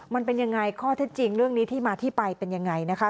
มันเป็นยังไงข้อเท็จจริงเรื่องนี้ที่มาที่ไปเป็นยังไงนะคะ